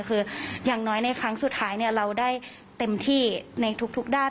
คืออย่างน้อยในครั้งสุดท้ายเราได้เต็มที่ในทุกด้าน